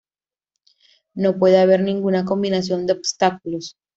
No puede haber ninguna combinación de obstáculos.